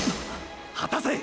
果たせ！！